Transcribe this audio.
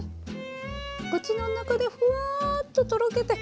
口の中でフワーッととろけて。